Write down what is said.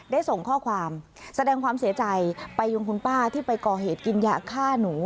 ได้ส่งข้อความแสดงความเสียใจไปยงคุณป้าที่ไปก่อเหตุกินยาฆ่าหนู